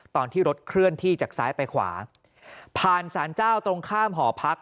ตอนที่รถเคลื่อนที่จากซ้ายไปขวาผ่านสารเจ้าตรงข้ามหอพัก